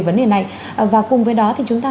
vấn đề này và cùng với đó thì chúng ta